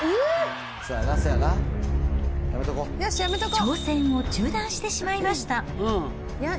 挑戦を中断してしまいました。